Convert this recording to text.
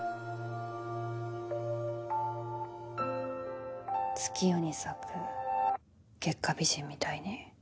月夜に咲く月下美人みたいに。